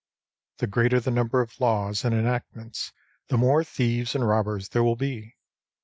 The greater the number of laws and enactments, the more thieves and robbers there will be.